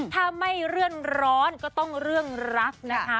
ถ้าไม่เรื่องร้อนก็ต้องเรื่องรักนะคะ